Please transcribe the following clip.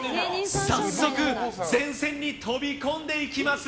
早速、前線に飛び込んでいきます。